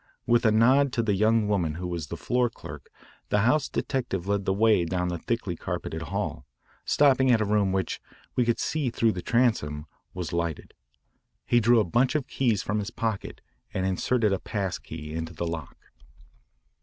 With a nod to the young woman who was the floor clerk, the house detective led the way down the thickly carpeted hall, stopping at a room which, we could see through the transom, was lighted. He drew a bunch of keys from his pocket and inserted a pass key into the lock.